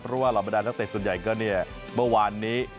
เพราะว่าเหล่าบรรดานักเตะส่วนใหญ่ก็เนี่ยเมื่อวานนี้